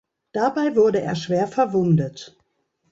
Dabei wurde er schwer verwundet.